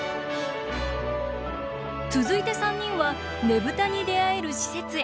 続いて３人はねぶたに出会える施設へ。